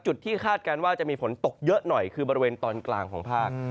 ที่คาดการณ์ว่าจะมีฝนตกเยอะหน่อยคือบริเวณตอนกลางของภาค